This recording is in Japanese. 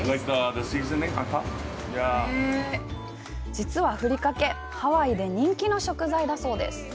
実はフリカケ、ハワイで人気の食材だそうです！